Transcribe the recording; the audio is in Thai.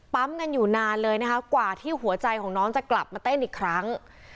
กันอยู่นานเลยนะคะกว่าที่หัวใจของน้องจะกลับมาเต้นอีกครั้ง